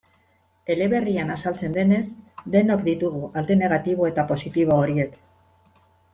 Eleberrian azaltzen denez, denok ditugu alde negatibo eta positibo horiek.